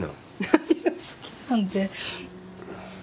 何が好きなんって。